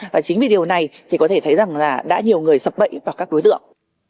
và chính vì điều này thì có thể thấy rằng đã nhiều người sập bậy vào các đối tượng